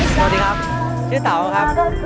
สวัสดีครับชื่อเต๋าครับ